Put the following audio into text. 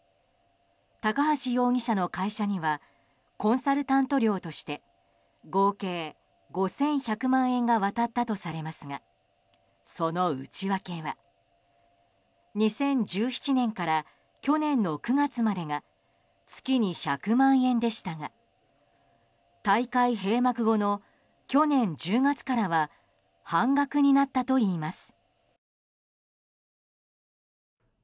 高橋容疑者の会社にはコンサルタント料として合計５１００万円が渡ったとされますがその内訳は２０１７年から去年の９月までが月に１００万円でしたが大会閉幕後の去年１０月からは半額になったといいます。